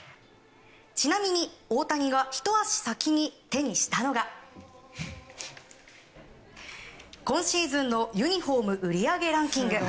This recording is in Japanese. ちなみに、大谷がひと足先に手にしたのが今シーズンのユニホーム売り上げランキング。